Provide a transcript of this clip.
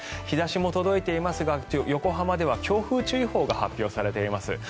日差しも届いていますが横浜では強風注意報が発表されています。